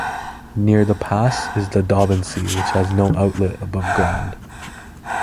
Near the pass is the Daubensee, which has no outlet above ground.